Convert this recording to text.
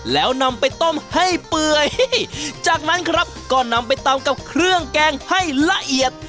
แล้วนำไปต้มให้เปื่อยจากนั้นครับก็นำไปตำกับเครื่องแกงให้ละเอียด